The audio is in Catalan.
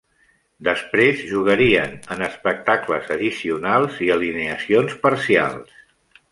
Després jugarien en espectacles addicionals i alineacions parcials.